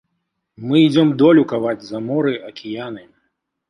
Мы ідзём долю каваць за моры, акіяны.